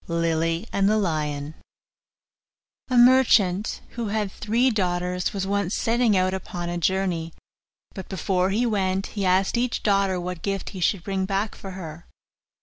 LILY AND THE LION A merchant, who had three daughters, was once setting out upon a journey; but before he went he asked each daughter what gift he should bring back for her.